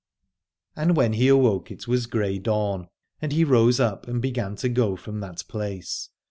And when he awoke it was grey dawn : and he rose up and began to go from that place.